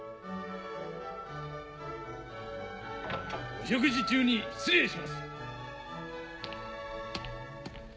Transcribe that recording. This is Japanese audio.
・お食事中に失礼します・